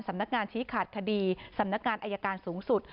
สำนักงานชี้ขาดคดีสำนักงานอายการสูงสุด